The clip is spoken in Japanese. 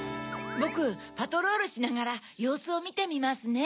ボクパトロールしながらようすをみてみますね。